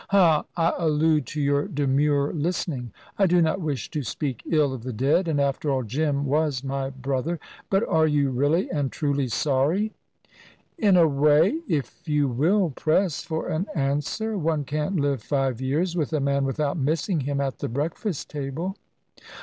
"Huh! I allude to your demure listening. I do not wish to speak ill of the dead, and, after all, Jim was my brother. But are you really and truly sorry?" "In a way, if you will press for an answer. One can't live five years with a man without missing him at the breakfast table."